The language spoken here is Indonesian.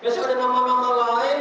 besok ada mama mama lain